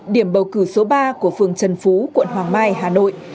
điểm bầu cử số ba của phường trần phú quận hoàng mai hà nội